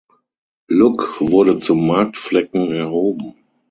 Luck wurde zum Marktflecken erhoben.